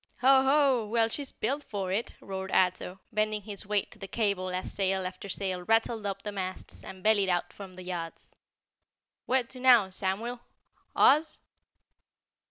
"Ho, ho! Well, she's built for it," roared Ato, bending his weight to the cable as sail after sail rattled up the masts and bellied out from the yards. "Where to now, Sam u el? Oz?"